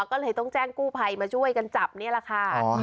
ก็เลยต้องแจ้งกู้ภัยมาช่วยกันจับนี่แหละค่ะ